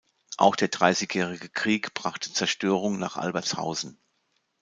Auch der Dreißigjährige Krieg brachte Zerstörung nach Albertshausen.